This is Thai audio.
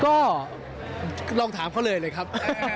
ก็ลองถามเขาเลยเลยครับ